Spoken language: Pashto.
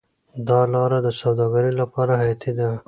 دا لاره د سوداګرۍ لپاره حیاتي ده.